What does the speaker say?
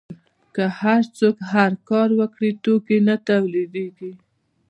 که هر څوک هر کار وکړي توکي نه تولیدیږي.